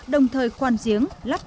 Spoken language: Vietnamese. đồng thời khoan giếng lách